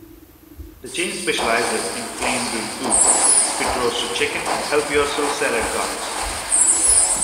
The chain specialises in flame grilled food, spit-roasted chicken and help yourself salad carts.